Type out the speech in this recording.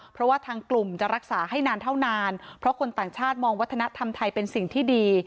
เพราะว่าทางกลุ่มจะรักษาให้นานเท่านานเพราะคนต่างชาติมองวัฒนธรรมไทยเป็นสิ่งที่ดี